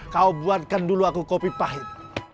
kau buatkan dulu aku kopi pahit